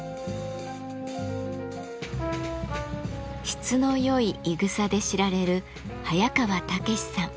質のよいいぐさで知られる早川猛さん。